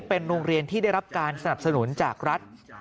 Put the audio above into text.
เป็นโรงเรียนที่ได้รับการสนับสนุนจากรัฐ